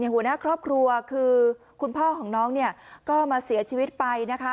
หัวหน้าครอบครัวคือคุณพ่อของน้องเนี่ยก็มาเสียชีวิตไปนะคะ